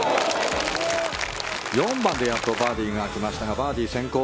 ４番でやっとバーディーが来ましたがバーディー先行。